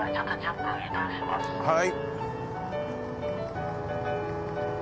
はい。